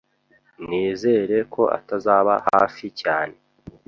Nizere ko atazaba hafi cyane.